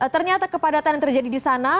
ternyata kepadatan yang terjadi di sana